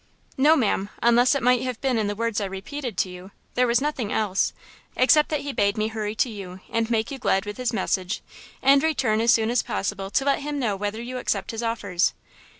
"No, ma'am, unless it might have been in the words I repeated to you–there was nothing else–except that he bade me hurry to you and make you glad with his message, and return as soon as possible to let him know whether you accept his offers."